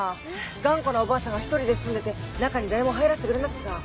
頑固なおばあさんが一人で住んでて中に誰も入らせてくれなくてさ。